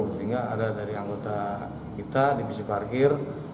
sehingga ada dari anggota kita divisi parkir